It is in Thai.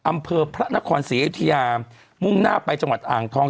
อำเภอพระนครศรีอยุธยามุ่งหน้าไปจังหวัดอ่างทอง